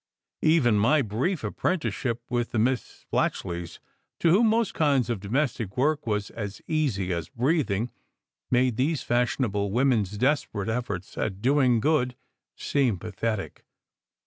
Even my brief apprentice ship with the Miss Splatchleys, to whom most kinds of domestic work was as easy as breathing, made these fashion able women s desperate efforts at doing good seem pathetic.